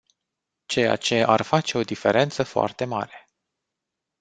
Ceea ce ar face o diferență foarte mare.